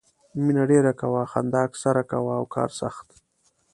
مینه ډېره کوه، خندا اکثر کوه او کار سخت.